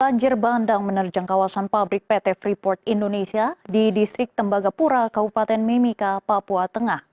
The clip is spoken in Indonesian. banjir bandang menerjang kawasan pabrik pt freeport indonesia di distrik tembagapura kabupaten mimika papua tengah